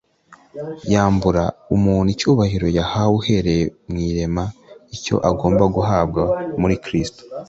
yambura umuntu icyubahiro yahawe uhereye mu irema icyo agomba guhabwa muri Kristo.